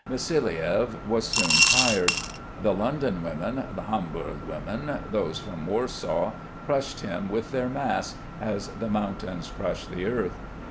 Vassiliev was soon tired. The London women, the Hamburg women, those from Warsaw, crushed him with their mass, as the mountains crush the earth.